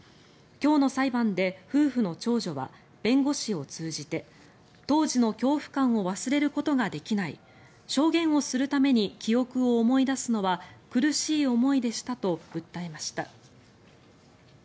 今日の裁判で夫婦の長女は弁護士を通じて当時の恐怖感を忘れることができない証言をするために記憶を思い出すのは苦しい思いでしたと訴えました。